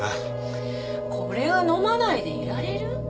これが飲まないでいられる？